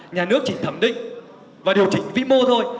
nhà nước chỉ thẩm định và điều chỉnh vĩ mô thôi